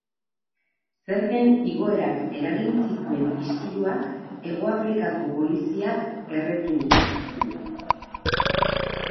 Zergen igoerak eragin zituen istiluak Hegoafrikako poliziak erreprimitu zituen.